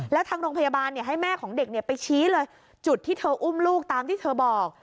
แล้วทางโรงพยาบาลให้แม่ของเด็กไปชี้เลยจุดที่เธออุ้มลูกตามที่เธอบอก